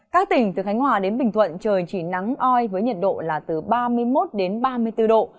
các tỉnh từ khánh hòa đến bình thuận trời chỉ nắng oi với nhiệt độ là từ ba mươi một đến ba mươi bốn độ